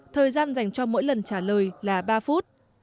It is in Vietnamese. thời gian dành cho mỗi lần trả lời là ba phút